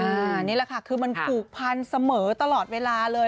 อันนี้แหละค่ะคือมันผูกพันเสมอตลอดเวลาเลย